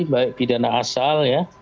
baik pidana asal ya